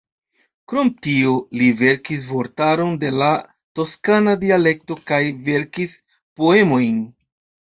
Krom tio, li verkis vortaron de la toskana dialekto kaj verkis poemojn.